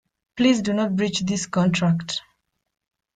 Please do not breach this contract.